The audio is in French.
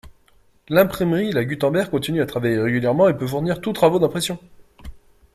L'IMPRIMERIE La Gutenberg continue à travailler régulièrement et peut fournir tous travaux d'impression.